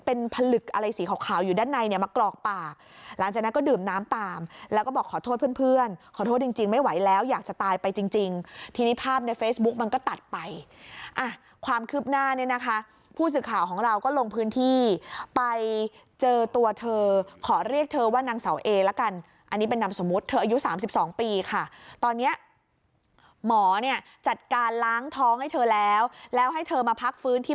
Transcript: เพื่อนเพื่อนขอโทษจริงจริงไม่ไหวแล้วอยากจะตายไปจริงจริงทีนี้ภาพในเฟสบุ๊คมันก็ตัดไปอ่ะความคืบหน้าเนี่ยนะคะผู้สื่อข่าวของเราก็ลงพื้นที่ไปเจอตัวเธอขอเรียกเธอว่านางเสาเอละกันอันนี้เป็นนำสมมุติเธออายุสามสิบสองปีค่ะตอนเนี้ยหมอเนี้ยจัดการล้างท้องให้เธอแล้วแล้วให้เธอมาพักฟื้นท